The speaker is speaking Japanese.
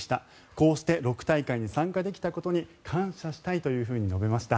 こうして６大会に参加できたことに感謝したいと述べました。